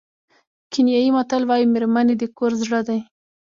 کینیايي متل وایي مېرمنې د کور زړه دي.